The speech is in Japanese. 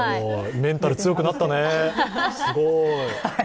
メンタル強くなったね、すごい。